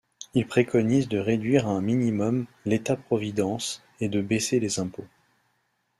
Il préconise de réduire à un minimum l’État-providence et de baisser les impôts.